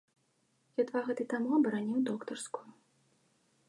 Я два гады таму абараніў доктарскую.